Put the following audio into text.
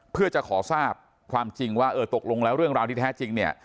เพื่อจะขอทราบความจริงว่าเออตกลงแล้วเรื่องราวที่แท้จริงเนี่ย